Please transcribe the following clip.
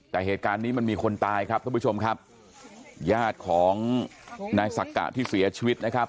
แต่เหตุการณ์นี้มันมีคนตายครับท่านผู้ชมครับญาติของนายสักกะที่เสียชีวิตนะครับ